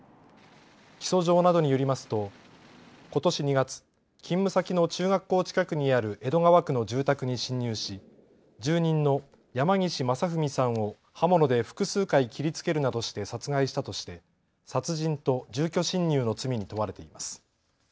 起訴状などによりますとことし２月、勤務先の中学校近くにある江戸川区の住宅に侵入し住人の山岸正文さんを刃物で複数回切りつけるなどして殺害したとして殺人と住居侵入の罪に問われています。